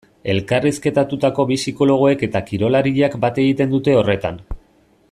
Elkarrizketatutako bi psikologoek eta kirolariak bat egiten dute horretan.